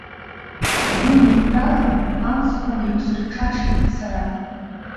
Сгәы неиқәҳәаланы, амцқәа неиқәсырҽаҽеит сара.